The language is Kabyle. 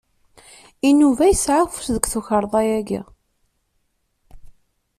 Inuba yesɛa afus deg tikerḍa-yaki